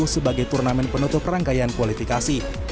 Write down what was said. sebagai turnamen penutup rangkaian kualifikasi